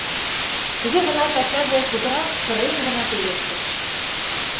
Туге гынат ачаже путырак сырен гына пелештыш: